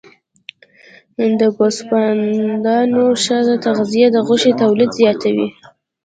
د ګوسفندانو ښه تغذیه د غوښې تولید زیاتوي.